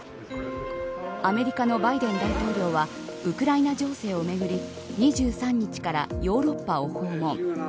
アメリカのバイデン大統領はウクライナ情勢をめぐり２３日からヨーロッパを訪問。